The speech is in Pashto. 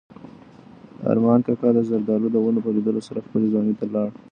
ارمان کاکا د زردالو د ونو په لیدلو سره خپلې ځوانۍ ته لاړ.